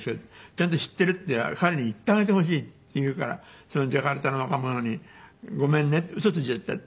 「ちゃんと知っているって彼に言ってあげてほしい」って言うからそのジャカルタの若者に「ごめんね。ウソついちゃった」って。